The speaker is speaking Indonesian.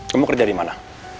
kamu kerja dimana